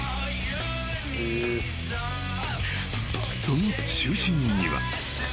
［その中心には］